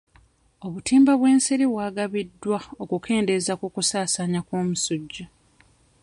Obutimba bw'ensiri bwagabiddwa okukendeeza ku kusaasaanya kw'omusujja.